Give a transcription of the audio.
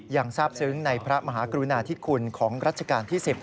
ทราบซึ้งในพระมหากรุณาธิคุณของรัชกาลที่๑๐